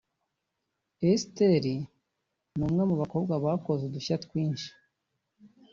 Esther ni umwe mu bakobwa bakoze udushya twinshi